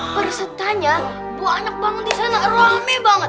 persentanya buah anak bangun disana rame banget